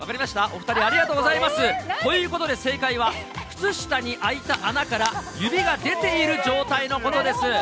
お２人、ありがとうございます。ということで正解は、靴下に開いた穴から指が出ている状態のことです。